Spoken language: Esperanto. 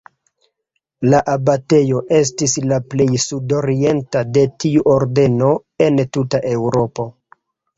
La abatejo estis la plej sudorienta de tiu ordeno en tuta Eŭropo.